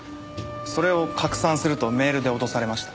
それを拡散するとメールで脅されました。